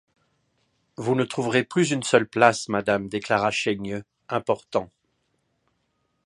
Vous ne trouverez plus une seule place, madame, déclara Chaigneux, important.